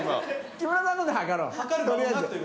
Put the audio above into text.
木村さんので計ろう